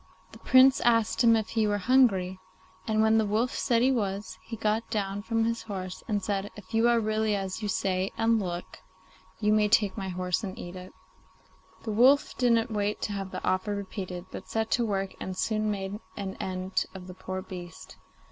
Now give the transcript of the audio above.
The Prince asked him if he were hungry, and when the wolf said he was, he got down from his horse and said, 'If you are really as you say and look, you may take my horse and eat it.' The wolf didn't wait to have the offer repeated, but set to work, and soon made an end of the poor beast.